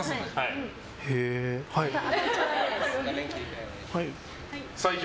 はい。